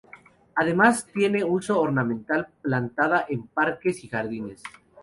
Además tiene uso ornamental, plantada en parques y jardines.